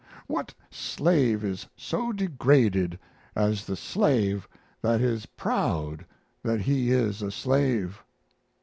What slave is so degraded as the slave that is proud that he is a slave?